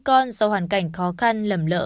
con do hoàn cảnh khó khăn lầm lỡ